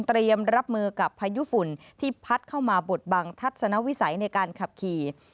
รับมือกับพายุฝุ่นที่พัดเข้ามาบดบังทัศนวิสัยในการขับขี่